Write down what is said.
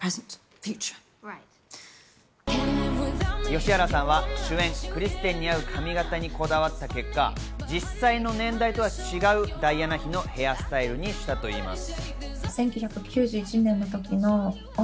吉原さんは主演・クリステンに合う髪型にこだわった結果、実際の年代とは違うダイアナ妃のヘアスタイルにしたといいます。